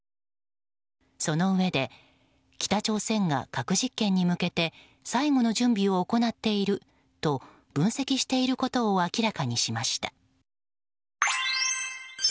そのうえで北朝鮮が核実験に向けて最後の準備を行っていると分析していることを明らかにしました。